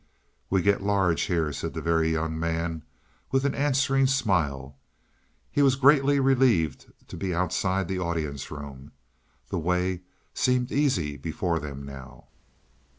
"We get large here," said the Very Young Man, with an answering smile. He was greatly relieved to be outside the audience room; the way seemed easy before them now.